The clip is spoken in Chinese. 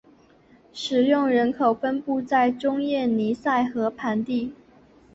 使用人口分布在中叶尼塞河盆地。